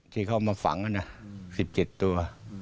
๑๗ที่เขามาฝังนะนะ๑๗ตัว